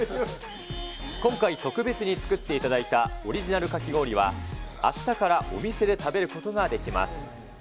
今回、特別に作っていただいたオリジナルかき氷は、あしたからお店で食べることができます。